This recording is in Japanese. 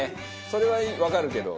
それはわかるけど。